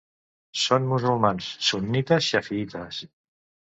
Són musulmans sunnites xafiïtes.